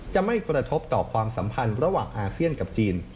จะไม่กระทบต่อความสัมพันธ์ระหว่างอาเซียนกับจีน